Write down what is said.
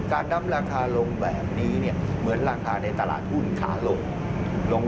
การนำราคาลงแบบนี้เหมือนราคาในตลาดหุ้นขาลง